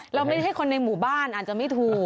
เราไม่ใช่คนในหมู่บ้านอาจจะไม่ถูก